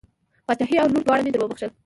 پاچهي او لور دواړه مې در بښلې.